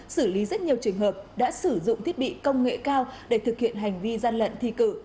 xử lý rất nhiều trường hợp đã sử dụng thiết bị công nghệ cao để thực hiện hành vi gian lận thi cử